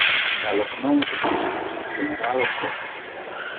La loknomo signifas: generalo-golfo.